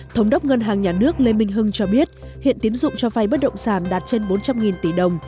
thống đốc ngân hàng nhà nước lê minh hưng cho biết hiện tiến dụng cho vay bất động sản đạt trên bốn trăm linh tỷ đồng